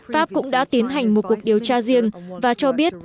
pháp cũng đã tiến hành một cuộc điều tra riêng và cho biết